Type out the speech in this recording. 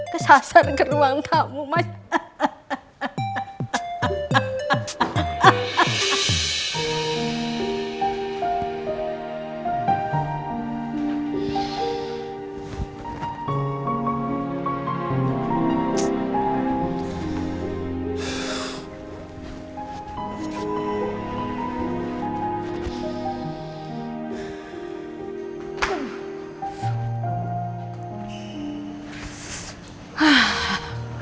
kesasar keruang tamu mas hahaha